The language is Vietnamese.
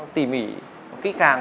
tỉ mỉ kỹ càng